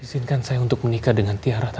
izinkan saya untuk menikah dengan tiara